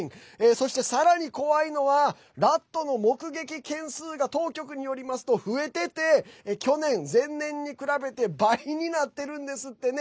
そして、さらに怖いのはラットの目撃件数が当局によりますと増えてて去年、前年に比べて倍になってるんですってね。